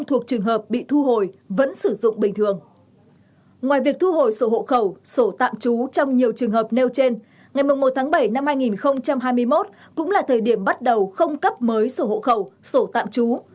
ngoài việc thu hồi sổ hộ khẩu sổ tạm trú trong nhiều trường hợp nêu trên ngày một tháng bảy năm hai nghìn hai mươi một cũng là thời điểm bắt đầu không cấp mới sổ hộ khẩu sổ tạm trú